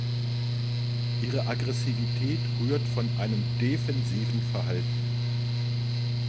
Ihre Aggressivität rührt von einem defensiven Verhalten.